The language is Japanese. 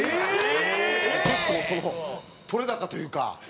結構撮れ高というか。